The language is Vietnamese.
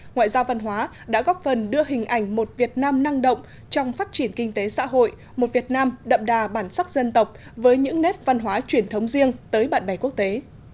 ngoại giao văn hóa đã góp phần đưa hình ảnh một việt nam năng động trong phát triển kinh tế xã hội một việt nam đậm đà bản sắc dân tộc với những nét văn hóa truyền thống riêng tới bạn bè quốc tế